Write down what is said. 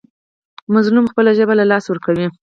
مظلوم خپله ژبه له لاسه ورکوي.